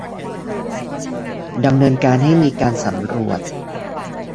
ดำเนินการให้มีการสำรวจ